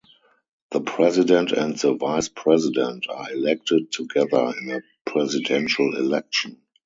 The president and the vice president are elected together in a presidential election.